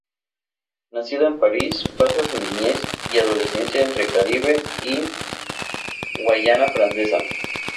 Nacida en París, pasa su niñez y adolescencia entre Caribe y Guayana Francesa.